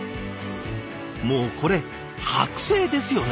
もうこれ剥製ですよね。